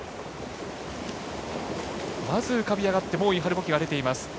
まず浮かび上がってイハル・ボキが出ています。